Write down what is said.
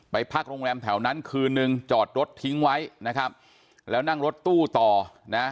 พักโรงแรมแถวนั้นคืนนึงจอดรถทิ้งไว้นะครับแล้วนั่งรถตู้ต่อนะ